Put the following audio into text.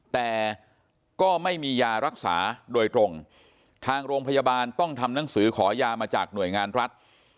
แต่ก็ไม่มียารักษาโดยตรงทางโรงพยาบาลต้องทำหนังสือขอยามาจากหน่วยงานรัฐ